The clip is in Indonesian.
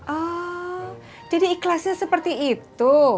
oh jadi ikhlasnya seperti itu